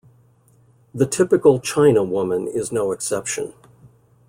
The "typical" "china" woman is no exception.